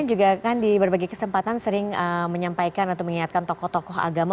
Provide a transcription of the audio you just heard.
juga kan di berbagai kesempatan sering menyampaikan atau mengingatkan tokoh tokoh agama